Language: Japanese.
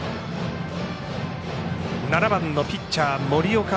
７番のピッチャー森岡